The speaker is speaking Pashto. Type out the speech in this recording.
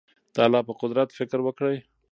د الله په قدرت فکر وکړئ.